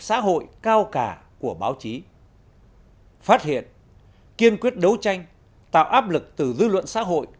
xã hội cao cả của báo chí phát hiện kiên quyết đấu tranh tạo áp lực từ dư luận xã hội